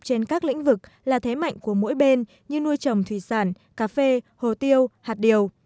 trên các lĩnh vực là thế mạnh của mỗi bên như nuôi trồng thủy sản cà phê hồ tiêu hạt điều